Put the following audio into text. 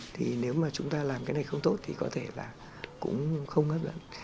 thì nếu mà chúng ta làm cái này không tốt thì có thể là cũng không hấp dẫn